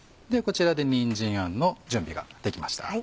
こちらでにんじんあんの準備ができました。